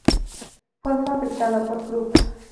Fue fabricado por Krupp.